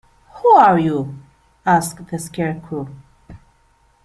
Who are you? asked the Scarecrow.